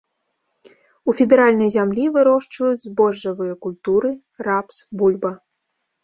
У федэральнай зямлі вырошчваюць збожжавыя культуры, рапс, бульба.